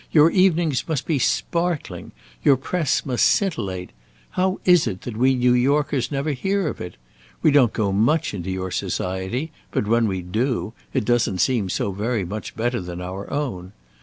Your evenings must be sparkling. Your press must scintillate. How is it that we New Yorkers never hear of it? We don't go much into your society; but when we do, it doesn't seem so very much better than our own.